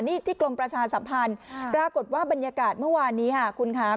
นี่ที่กรมประชาสัมพันธ์ปรากฏว่าบรรยากาศเมื่อวานนี้ค่ะคุณค่ะ